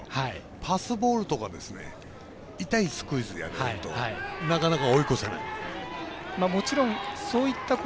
パスボールとか痛いスクイズをやられるとなかなか追い越せない。